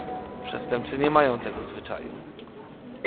"Przestępcy nie mają tego zwyczaju."